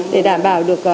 để đảm bảo được